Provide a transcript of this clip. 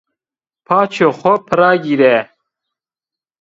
Paçê xo pira gîre!